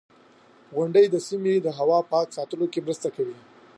• غونډۍ د سیمې د هوا پاک ساتلو کې مرسته کوي.